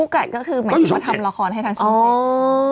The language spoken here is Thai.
ผู้กัดก็คือหมายถึงว่าทำละครให้ทางช่องเจ็ดอ๋อ